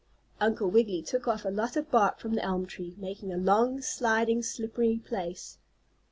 Uncle Wiggily took off a lot of bark from the elm tree, making a long, sliding, slippery place.